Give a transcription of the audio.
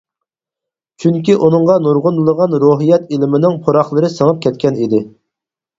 چۈنكى ئۇنىڭغا نۇرغۇنلىغان روھىيەت ئىلمىنىڭ پۇراقلىرى سىڭىپ كەتكەن ئىدى.